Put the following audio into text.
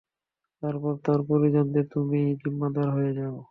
তারপর তার পরিজনদের তুমিই যিম্মাদার হয়ে যাও।